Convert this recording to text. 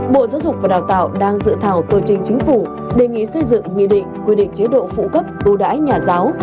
bộ giáo dục và đào tạo đang dự thảo tờ trình chính phủ đề nghị xây dựng nghị định quy định chế độ phụ cấp ưu đãi nhà giáo